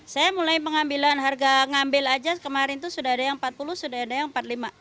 saya mulai pengambilan harga ngambil aja kemarin itu sudah ada yang rp empat puluh sudah ada yang rp empat puluh lima